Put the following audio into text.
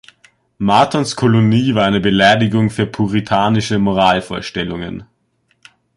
Mortons Kolonie war eine Beleidigung für puritanische Moralvorstellungen.